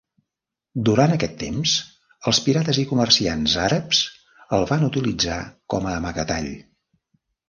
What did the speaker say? Durant aquest temps, els pirates i comerciants àrabs el van utilitzar com a amagatall.